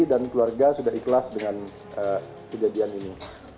keluarga sudah ikhlas dengan kejadian ini